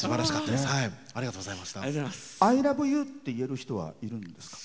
アイラブユーって言える人っているんですか？